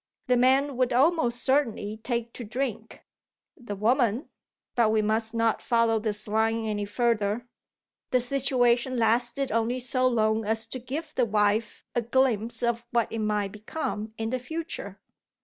The man would almost certainly take to drink: the woman but we must not follow this line any further. The situation lasted only so long as to give the wife a glimpse of what it might become in the future.